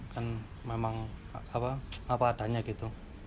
kan memang apa adanya gitu